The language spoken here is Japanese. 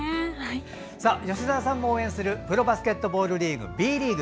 吉澤さんも応援するプロバスケットボールリーグＢリーグ。